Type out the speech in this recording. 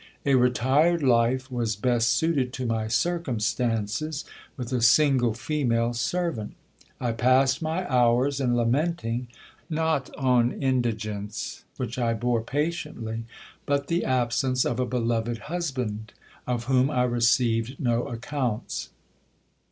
A retired life was best suited to my circumstances, with a single female servant. I passed my hours in lamenting, not an indigence, which I bore pa tiently, but the absence of a beloved husband, of whom I received no accounts.